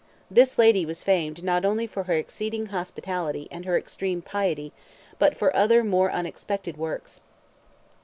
This lady was famed not only for her exceeding hospitality and her extreme piety, but for other more unexpected works.